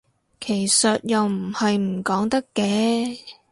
其實又唔係唔講得嘅